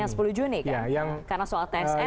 yang sepuluh juni kan karena soal tsm nya